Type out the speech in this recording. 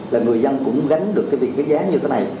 là người dân cũng gánh được cái việc cái giá như thế này